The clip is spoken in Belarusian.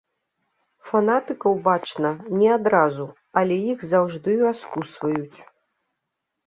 Фанатыкаў бачна не адразу, але іх заўжды раскусваюць.